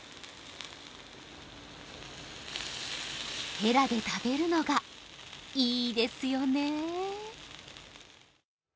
へらで食べるのがいいですよね。